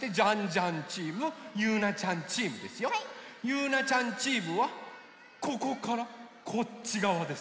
ゆうなちゃんチームはここからこっちがわです。